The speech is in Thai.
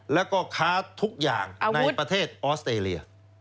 แล้วก็ค้าทุกอย่างในประเทศออสเตรเลีย